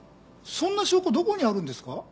そんな証拠どこにあるんですか？